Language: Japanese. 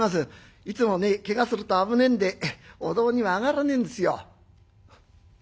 いつもねけがすると危ねえんでお堂には上がらねえんですよ」。